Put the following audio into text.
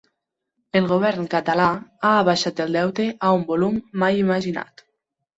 El govern català ha abaixat el deute a un volum mai imaginat.